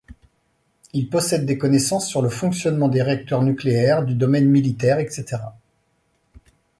Il possède des connaissances sur le fonctionnement des réacteurs nucléaires, du domaine militaire, etc.